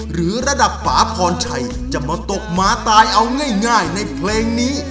หรือระดับฝาพรชัยจะมาตกหมาตายเอาง่ายในเพลงนี้